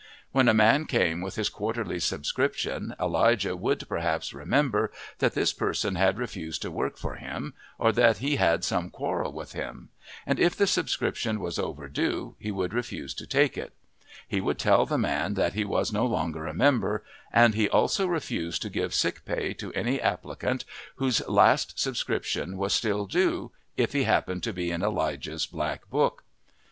When a man came with his quarterly subscription Elijah would perhaps remember that this person had refused to work for him or that he had some quarrel with him, and if the subscription was overdue he would refuse to take it; he would tell the man that he was no longer a member, and he also refused to give sick pay to any applicant whose last subscription was still due, if he happened to be in Elijah's black book.